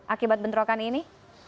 akibat bentrokan ini